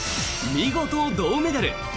見事、銅メダル。